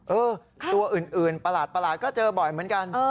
เออตัวอื่นประหลาดก็เจอบ่อยเหมือนกัน